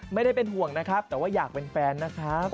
ไม่ได้เป็นห่วงนะครับแต่ว่าอยากเป็นแฟนนะครับ